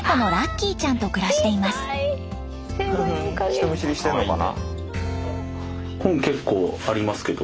人見知りしてんのかな。